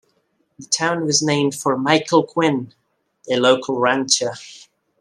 The town was named for Michael Quinn, a local rancher.